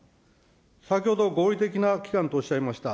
先ほど合理的な期間とおっしゃいました。